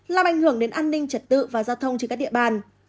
làm ảnh hưởng đến an ninh trật tự và giao thông trên các địa bàn